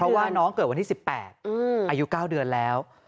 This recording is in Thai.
เพราะว่าน้องเกิดวันที่๑๘อายุ๙เดือนแล้ว